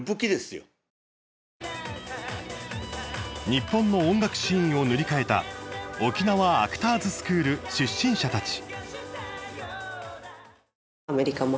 日本の音楽シーンを塗り替えた沖縄アクターズスクール出身者たち。